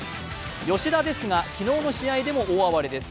吉田ですが、昨日の試合でも大暴れです。